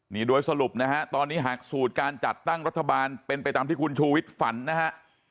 นี่โดยสรุปนะฮะตอนนี้หากสูตรการจัดตั้งรัฐบาลเป็นไปตามที่คุณชูวิทย์ฝันนะฮะ